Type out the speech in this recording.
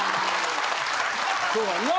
そうやんな。